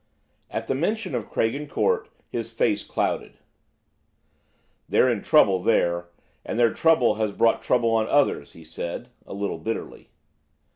At the mention of Craigen Court his face clouded. "They're in trouble there, and their trouble has brought trouble on others," he said a little bitterly.